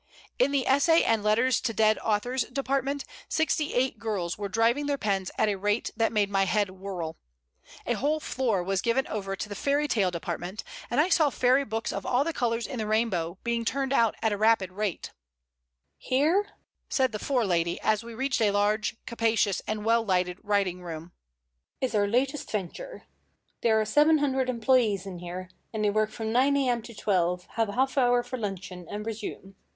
In the Essay and Letters to Dead Authors Department sixty eight girls were driving their pens at a rate that made my head whirl. A whole floor was given over to the Fairy Tale Department, and I saw fairy books of all the colors in the rainbow being turned out at a rapid rate. [Illustration: IN THE MEREDITH SHOP] "Here," said the forelady, as we reached a large, capacious, and well lighted writing room, "is our latest venture. There are 700 employees in here, and they work from 9 A.M. to 12, have a half hour for luncheon, and resume.